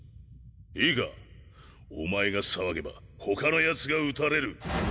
いいかお前が騒げば他のヤツが撃たれる。